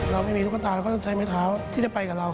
เราไม่มีลูกตาเราก็ต้องใช้ไม้เท้าที่จะไปกับเรา